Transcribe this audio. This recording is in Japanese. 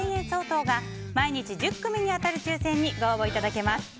相当が毎日１０組に当たる抽選にご応募いただけます。